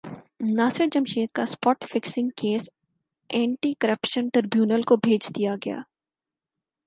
ناصر جمشید کا spot fixing case anti corruption tribunal کو بھیج دیاگیا